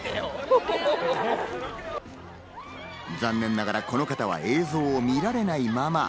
残念ながら、この方は映像を見られないまま。